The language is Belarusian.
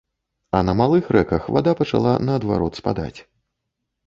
А на малых рэках вада пачала наадварот спадаць.